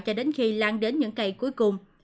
cho đến khi lan đến những cây cuối cùng